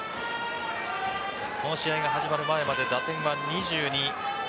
この試合が始まる前まで打点は２２。